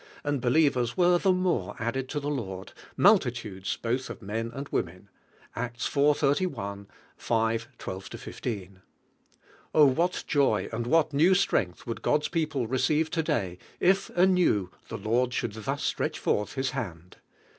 and believers were the more added to the Lord, multitudes both of men and women" (Acts iv. 31; v. 12 1C). O what joy and what new strength would God's people receive today if anew the Lord should thus si retch forth His hand!